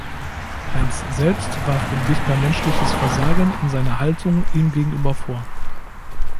Heins selbst warf dem Dichter menschliches Versagen in seiner Haltung ihm gegenüber vor.